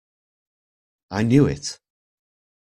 I knew it!